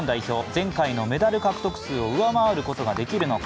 前回のメダル獲得数を上回ることができるのか。